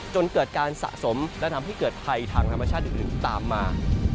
จนเกิดการสะสมและทำให้เกิดภัยทางธรรมชาติอื่นตามมา